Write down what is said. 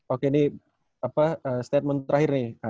oke ini statement terakhir nih